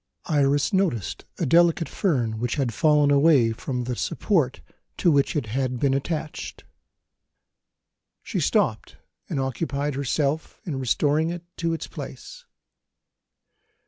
Iris noticed a delicate fern which had fallen away from the support to which it had been attached. She stopped, and occupied herself in restoring it to its place.